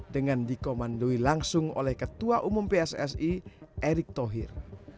dengan dikomandoi langsung oleh ketua umum pssi erick thohir